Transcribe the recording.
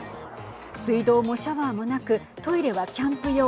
水道もシャワーもなくトイレはキャンプ用。